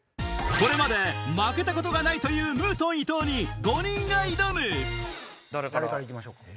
これまで負けたことがないというムートン伊藤に５人が挑む誰から行きましょうか？